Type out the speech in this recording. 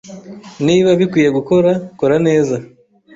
Niba bikwiye gukora, kora neza.